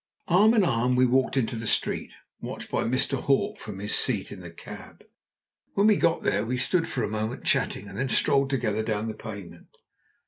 Arm in arm we walked into the street, watched by Mr. Hawk from his seat in the cab. When we got there we stood for a moment chatting, and then strolled together down the pavement.